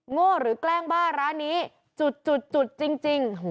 โง่หรือแกล้งบ้าร้านนี้จุดจริง